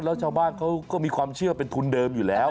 แล้วชาวบ้านเขาก็มีความเชื่อเป็นทุนเดิมอยู่แล้ว